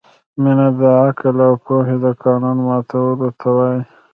مینه د عقل او پوهې د قانون ماتولو ته وايي.